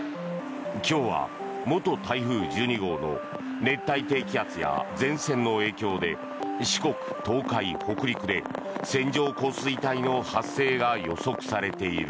今日は元台風１２号の熱帯低気圧や前線の影響で四国、東海、北陸で線状降水帯の発生が予測されている。